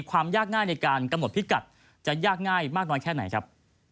ความยากง่ายในการกำหนดพิกัดจะยากง่ายมากน้อยแค่ไหนครับ